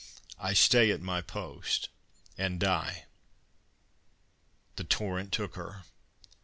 I stay at my post, and die._" The torrent took her.